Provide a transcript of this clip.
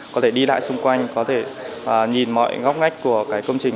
có thể đi lại xung quanh có thể nhìn mọi ngóc ngách của cái công trình